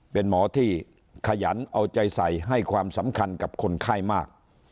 เป็นหมอที่ขยันเอาใจใส่ให้ความสำคัญกับคนไข้มาก